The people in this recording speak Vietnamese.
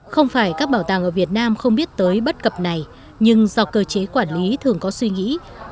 không phải các bảo tàng ở việt nam không biết tới bất cập này nhưng do cơ chế quản lý thường có suy nghĩ